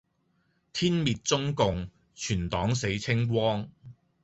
天滅中共，全黨死清光